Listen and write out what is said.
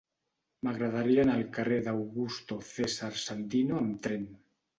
M'agradaria anar al carrer d'Augusto César Sandino amb tren.